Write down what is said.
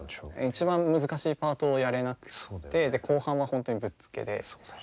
一番難しいパートをやれなくて後半は本当にぶっつけで。